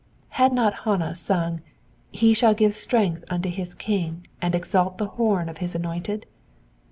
Had not Hannah sung, *^ He shall give strength unto his King, and exidt the horn of his anointed